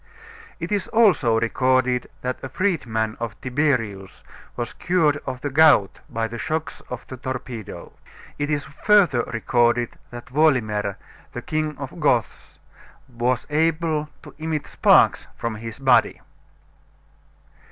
It is also recorded that a freed man of Tiberius was cured of the gout by the shocks of the torpedo. It is further recorded that Wolimer, the King of the Goths, was able to emit sparks from his body.